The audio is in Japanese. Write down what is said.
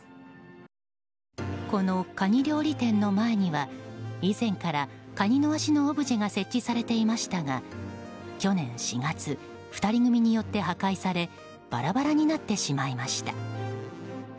このカニ料理店の前には以前からカニの足のオブジェが設置されていましたが去年４月、２人組によって破壊されバラバラになってしまいました。